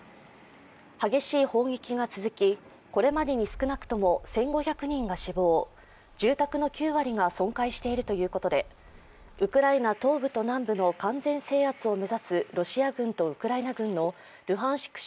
激しい砲撃が続き、これまでに少なくとも１５００人が死亡住宅の９割が損壊しているということでウクライナ東部と南部の完全制圧を目指すロシア軍とウクライナ軍のルハンシク